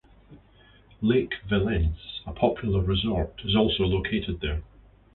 Lake Velence, a popular resort, is also located there.